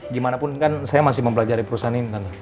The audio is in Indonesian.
gimanapun kan saya masih mempelajari perusahaan ini tante